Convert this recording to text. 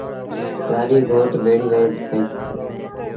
لآڏيٚ گھوٽ ڀيڙيٚ وهي پئيٚ۔